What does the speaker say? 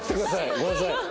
ごめんなさい。